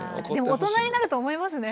大人になると思いますね。